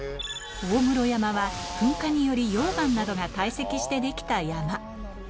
大室山は噴火により、溶岩などが堆積して出来た山。